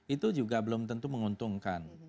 itu juga belum tentu menguntungkan